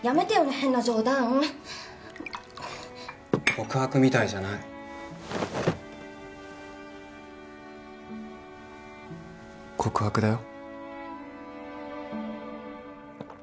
変な冗談告白みたいじゃない告白だよ